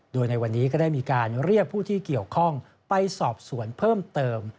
โดยในวันนี้ก็ได้มีการเรียกผู้ที่เกี่ยวข้องไปสอบสวนเพิ่มเติม